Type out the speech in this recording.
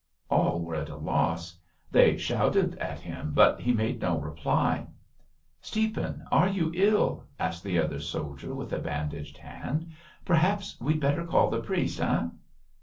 All were at a loss. They shouted at him but he made no reply. "Stiepan, are you ill?" asked the other soldier with the bandaged hand. "Perhaps we'd better call the priest, eh?"